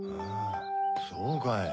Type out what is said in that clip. そうかい。